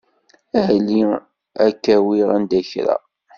Ali. Ad k-awiɣ anda kra.